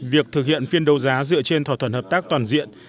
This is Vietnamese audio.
việc thực hiện phiên đấu giá dựa trên thỏa thuận hợp tác toàn diện